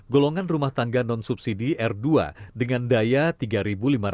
golongan rumah tangga non subsidi r dua dengan daya rp tiga lima ratus